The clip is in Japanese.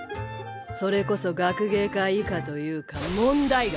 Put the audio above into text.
それこそ学芸会以下というか問題外。